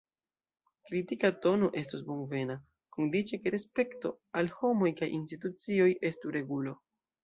Kritika tono estos bonvena, kondiĉe ke respekto al homoj kaj institucioj estu regulo.